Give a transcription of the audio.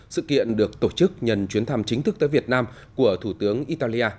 sự kiện được tổ chức nhân chuyến thăm chính thức tới việt nam của thủ tướng italia